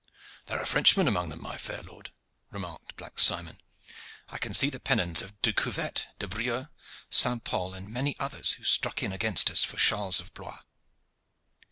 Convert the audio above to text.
"There are Frenchmen among them, my fair lord," remarked Black Simon. "I can see the pennons of De Couvette, De Brieux, Saint Pol, and many others who struck in against us for Charles of Blois."